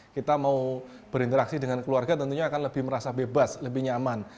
kita mau berinteraksi dengan keluarga tentunya akan lebih merasa bebas lebih nyaman